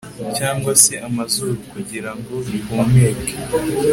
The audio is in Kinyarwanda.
cyangwa se amazuru kugira ngo bihumeke